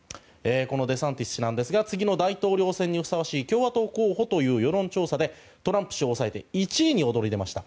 このデサンティス氏なんですが次の大統領選にふさわしい共和党候補という世論調査でトランプ氏を抑えて１位に躍り出ました。